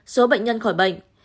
một số bệnh nhân khỏi bệnh